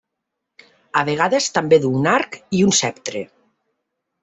A vegades també du un arc i un ceptre.